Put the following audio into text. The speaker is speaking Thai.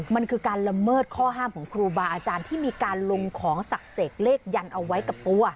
มันคือการละเมิดข้อห้ามของครูบาอาจารย์ที่มีการลงของศักดิ์เสกเลขยันเอาไว้กับตัว